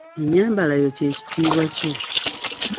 Ennyambalayo ky'ekitiibwa kyo.